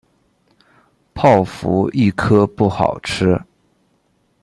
泡芙一颗不好吃